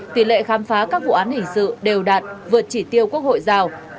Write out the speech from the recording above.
tỷ lệ khám phá các vụ án hình sự đều đạt vượt chỉ tiêu quốc hội giao